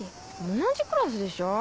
同じクラスでしょ。